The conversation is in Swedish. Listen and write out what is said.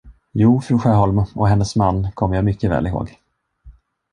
Jo, fru Sjöholm och hennes man kommer jag mycket väl ihåg.